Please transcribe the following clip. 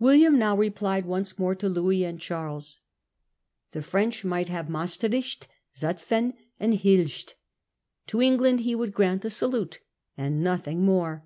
William now replied once more to Louis and Charles. The French might have Maestricht, Zutphen, and Hulst. To England he would grant the salute, and nothing more.